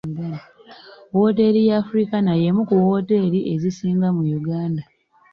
Wooteeri ya Africana y'emu ku wooteeri ezisinga mu Uganda.